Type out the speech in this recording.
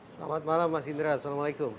selamat malam mas indra assalamualaikum